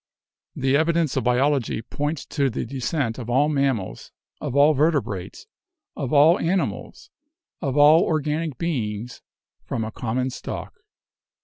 "The evidence of biology points to the descent of all mammals, of all vertebrates, of all animals, of all organic beings, from a common stock.